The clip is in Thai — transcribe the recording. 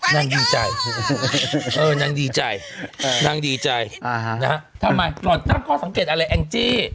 นั่งดีใจเออนั่งดีใจนั่งดีใจนะฮะทำไมก่อนตั้งข้อสังเกตอะไรแอ้งจี้